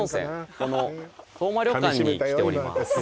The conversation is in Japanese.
この遠間旅館に来ております